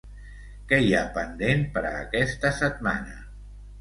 Què hi ha pendent per a aquesta setmana?